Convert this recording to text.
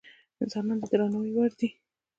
انسانان د درناوي وړ دي.